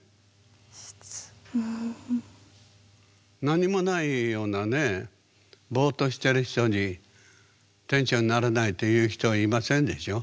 何もないようなねボーッとしてる人に「店長にならない？」って言う人はいませんでしょ？